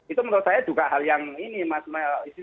itu menurut saya juga hal yang ini mas